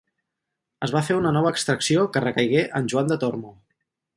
Es va fer una nova extracció que recaigué en Joan de Tormo.